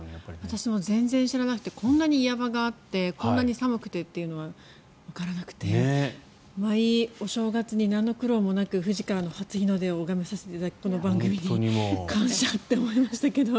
私も全然知らなくてこんなに岩場があってこんなに寒くてというのはわからなくて毎お正月に、なんの苦労もなく富士山からの初日の出を拝まさせていただけるこの番組に感謝って思いましたけど。